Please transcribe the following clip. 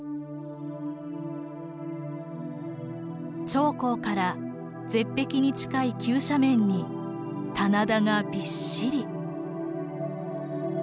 長江から絶壁に近い急斜面に棚田がびっしり。